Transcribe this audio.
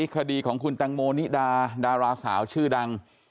คดีของคุณแตงโมนิดาดาราสาวชื่อดัง